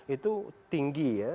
itu tinggi ya